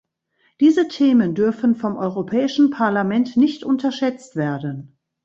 Diese Themen dürfen vom Europäischen Parlament nicht unterschätzt werden.